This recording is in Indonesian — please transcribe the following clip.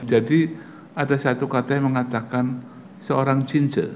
jadi ada satu kata yang mengatakan seorang cinca